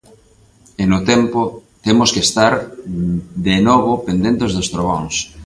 E no tempo, temos que estar, de novo, pendentes dos trebóns.